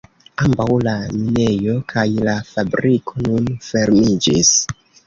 Ambaŭ la minejo kaj la fabriko nun fermiĝis.